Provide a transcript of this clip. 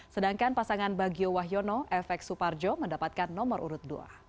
sedangkan pasangan bagio wahyono fx suparjo mendapatkan nomor urut dua